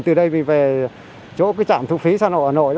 từ đây mình về chỗ cái trạm thu phí xa nội ở nội